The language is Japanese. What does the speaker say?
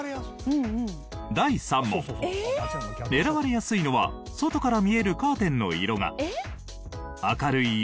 第３問狙われやすいのは外から見えるカーテンの色が明るい家？